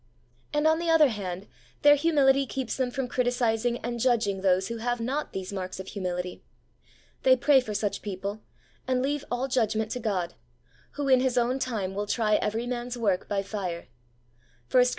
And, on the other hand, their humility keeps them from criticizing and judging those who have not these marks of humility. They pray for such people, and leave all judgment to God, who in His own time will try every man's work by fire (i Cor.